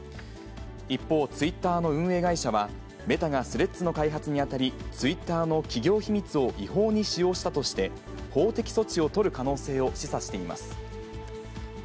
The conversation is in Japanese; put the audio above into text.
一方、ツイッターの運営会社は、メタがスレッズの開発にあたり、ツイッターの企業秘密を違法に使用したとして、法的措置を取る可能性を示唆しています。